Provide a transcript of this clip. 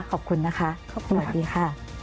ขอบคุณนะคะสวัสดีค่ะ